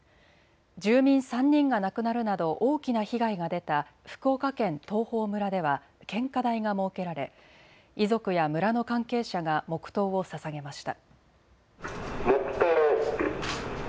住民３人が亡くなるなど大きな被害が出た福岡県東峰村では献花台が設けられ、遺族や村の関係者が黙とうをささげました。